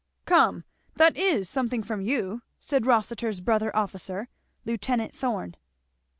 "Come! That is something, from you," said Rossitur's brother officer, Lieut. Thorn.